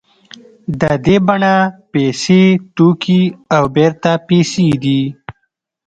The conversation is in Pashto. د دې بڼه پیسې توکي او بېرته پیسې دي